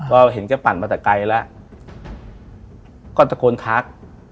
ก็เห็นแกปั่นมาแต่ไกลแล้วก็ตะโกนทัก